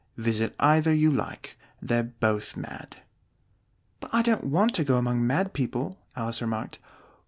Visit either you like: they're both mad." "But I don't want to go among mad people," Alice remarked.